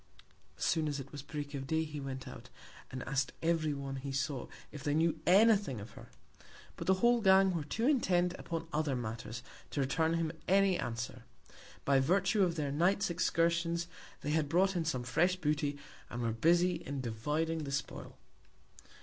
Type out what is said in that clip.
As soon as it was Break of Day he went out, and ask'd every one he saw if they knew any Thing of her: But the whole Gang were too intent upon other Matters, to return him any Answer. By Virtue of their Night's Excursions, they had brought in some fresh Booty, and were busy in dividing the Spoil.